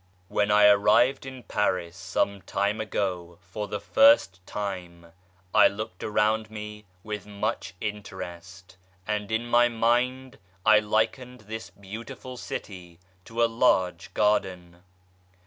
"IXTHEN I arrived in Paris some time ago for the first time, I looked around me with much interest, and in my mind I likened this beautiful city to a large garden.